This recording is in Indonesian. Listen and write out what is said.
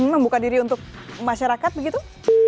membuka diri untuk masyarakat begitu